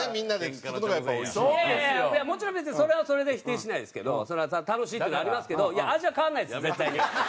いやいやもちろん別にそれはそれで否定しないですけどそれは楽しくなりますけど味は変わらないですよ絶対に。